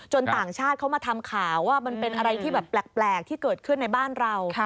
ต่างชาติเขามาทำข่าวว่ามันเป็นอะไรที่แบบแปลกที่เกิดขึ้นในบ้านเรา